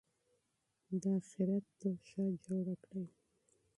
د آخرت توښه جوړه کړئ.